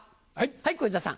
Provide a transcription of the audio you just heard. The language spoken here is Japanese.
はい小遊三さん。